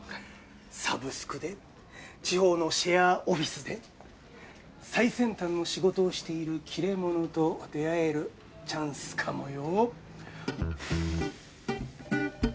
サブスクで地方のシェアオフィスで最先端の仕事をしているキレ者と出会えるチャンスかもよ。